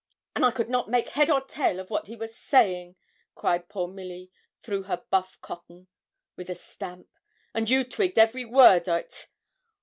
'And I could not make head or tail of what he was saying,' cried poor Milly through her buff cotton, with a stamp; 'and you twigged every word o't.